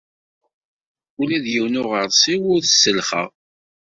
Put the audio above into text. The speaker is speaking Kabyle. Ula d yiwen n uɣersiw ur t-sellxeɣ.